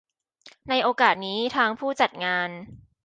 ในโอกาสนี้ ทางผู้จัดงาน